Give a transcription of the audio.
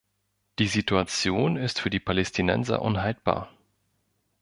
Die Situation ist für die Palästinenser unhaltbar.